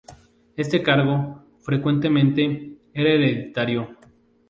Este cargo, frecuentemente, era hereditario.